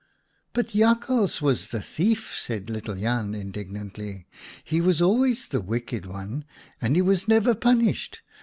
M But Jakhals was the thief," said little Jan, indignantly. " He was always the wicked one, and he was never punished.